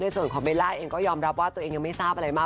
ส่วนของเบลล่าเองก็ยอมรับว่าตัวเองยังไม่ทราบอะไรมาก